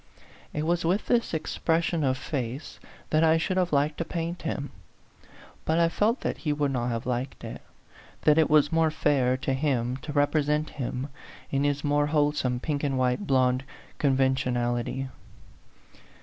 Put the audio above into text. It was with this expression of face that I should have liked to paint him ; but I felt that he would not have liked it, that it was more fair to him to represent him in his more wholesome pink and white blond conven tionality.